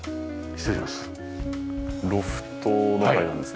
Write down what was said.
失礼します。